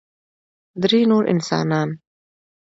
درې نور انسانان